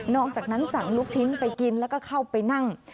อกจากนั้นสั่งลูกชิ้นไปกินแล้วก็เข้าไปนั่ง